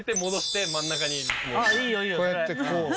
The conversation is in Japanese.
こうやってこう？